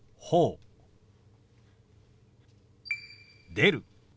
「出る」。